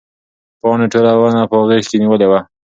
پاڼې ټوله ونه په غېږ کې نیولې ده.